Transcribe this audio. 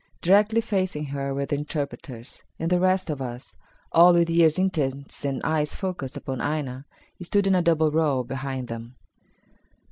Directly facing her were the interpreters, and the rest of us, all with ears intent and eyes focused upon Aina, stood in a double row behind them.